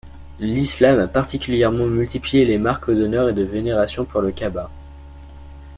L'islam a particulièrement multiplié les marques d'honneur et de vénération pour la Ka'ba.